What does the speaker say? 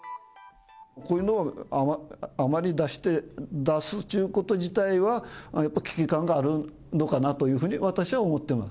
こういうのを、あまり出して、出すっちゅうこと自体は、やっぱり危機感があるのかなというふうに私は思ってます。